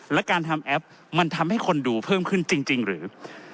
และการทำแอปมันทำให้คนดูเพิ่มขึ้นจริงหรือ